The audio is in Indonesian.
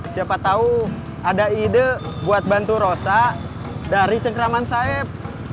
siapa tahu ada ide buat bantu rosa dari cengkraman saib